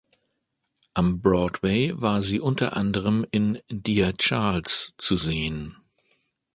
Am Broadway war sie unter anderem in "Dear Charles" zu sehen.